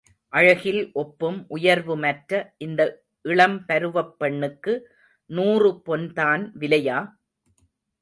அழகில் ஒப்பும் உயர்வுமற்ற இந்த இளம் பருவப் பெண்ணுக்கு நூறு பொன்தான் விலையா?